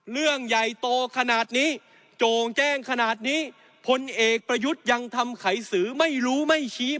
เรื่องใหญ่โตขนาดนี้โจ่งแจ้งขนาดนี้พลเอกประยุทธ์ยังทำไขสือไม่รู้ไม่ชี้